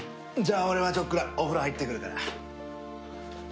じゃあ俺はちょっくらお風呂入ってくるから。